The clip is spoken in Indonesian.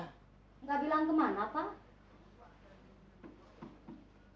tidak bilang kemana pak